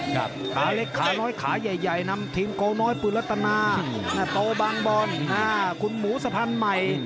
ขาเล็กขาน้อยขาใหญ่นำทีมโกน้อยปืนรัตนาโตบางบอลคุณหมูสะพันธุ์ใหม่